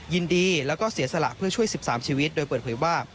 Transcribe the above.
ยินดีแล้วก็เสียสละเพื่อช่วย๑๓ชีวิตโดยเปิดเผยว่า